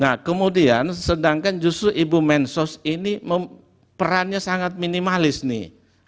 nah kemudian sedangkan justru ibu mensos ini perannya sangat minimalis nih